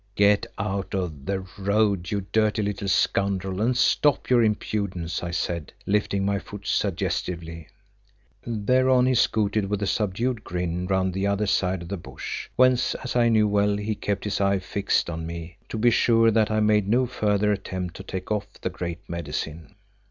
"Get out of the road, you dirty little scoundrel, and stop your impudence," I said, lifting my foot suggestively. Thereon he scooted with a subdued grin round the other side of the bush, whence as I knew well he kept his eye fixed on me to be sure that I made no further attempt to take off the Great Medicine.